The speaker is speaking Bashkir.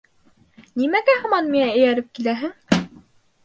Нимәгә һаман миңә эйәреп киләһең?